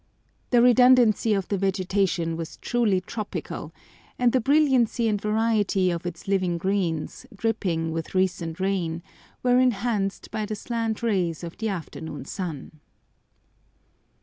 The redundancy of the vegetation was truly tropical, and the brilliancy and variety of its living greens, dripping with recent rain, were enhanced by the slant rays of the afternoon sun.